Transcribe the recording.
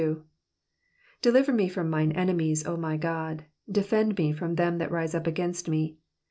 DELIVER me from mine enemies, O my God : defend me from them that rise up against me.